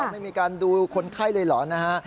ไม่มีการดูคนไข้เลยเหรอนะฮะ